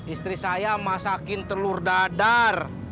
istri saya masakin telur dadar